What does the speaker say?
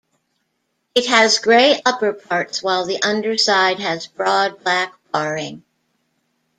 It has grey upperparts while the underside has broad black barring.